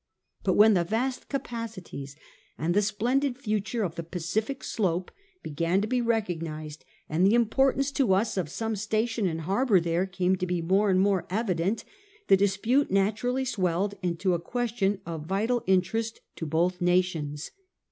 But when the vast capacities and the splendid future of the Pacific slope began to be recognised, and the importance to us of some station and harbour there came to be more and more evident, the dispute naturally swelled into a question of vital interest to both nations.